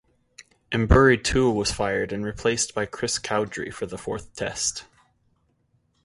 Emburey too was fired and was replaced by Chris Cowdrey for the fourth Test.